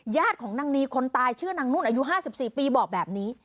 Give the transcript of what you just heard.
ของนางนีคนตายชื่อนางนุ่นอายุ๕๔ปีบอกแบบนี้